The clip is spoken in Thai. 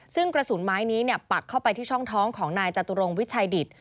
ซึ่งกระสุนไม้นี้ปักเข้าไปที่ช่องท้องของนายจตุรงวิชัยดิต